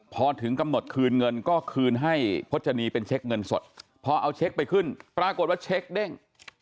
พอถึงกำหนดคืนเงินก็คืนให้พจนีเป็นเช็คเงินสดพอเอาเช็คไปขึ้นปรากฏว่าเช็คเด้ง